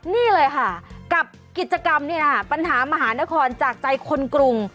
นี่เลยค่ะกับกิจกรรมเนี่ยปัญหามหานครจากใจคนกรุง